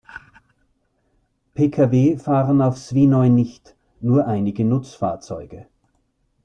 Pkw fahren auf Svínoy nicht, nur einige Nutzfahrzeuge.